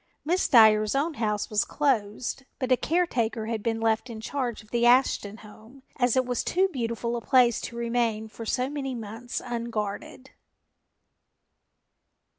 Miss Dyer's own house was closed, but a caretaker had been left in charge of the Ashton home, as it was too beautiful a place to remain for so many months unguarded.